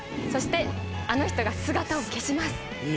そして、あの人が姿を消しま